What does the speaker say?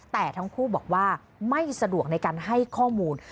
แต่ทั้งคู่บอกว่าไม่สะดวกในการให้ข้อมูล